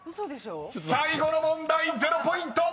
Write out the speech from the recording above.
［最後の問題０ポイント。